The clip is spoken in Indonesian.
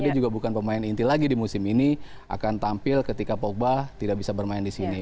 dia juga bukan pemain inti lagi di musim ini akan tampil ketika pogba tidak bisa bermain di sini